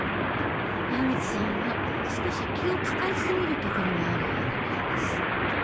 矢口さんは少し気を遣い過ぎるところがあるように見えます。